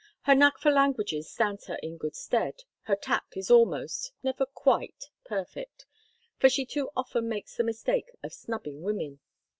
Her knack for languages stands her in good stead, her tact is almost—never quite—perfect; for she too often makes the mistake of snubbing women.